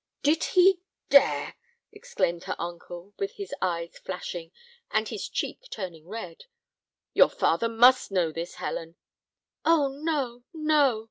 "Did he dare?" exclaimed her uncle, with his eyes flashing, and his cheek turning red. "Your father must know this, Helen." "Oh, no, no!"